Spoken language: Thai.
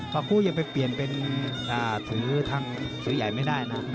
คู่ยังไปเปลี่ยนเป็นถือทางสื่อใหญ่ไม่ได้นะ